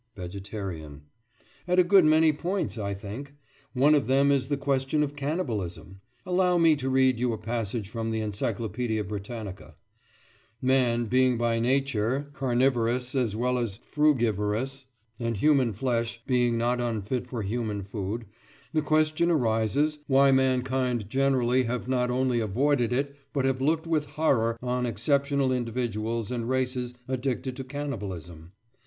VEGETARIAN: At a good many points, I think. One of them is the question of cannibalism. Allow me to read you a passage from the "Encyclopædia Britannica": "Man being by nature {?} carnivorous as well as frugivorous, and human flesh being not unfit for human food, the question arises why mankind generally have not only avoided it, but have looked with horror on exceptional individuals and races addicted to cannibalism.